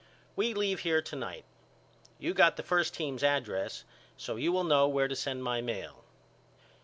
We leave here to night. You got the first team's address so you will know where to send my mail.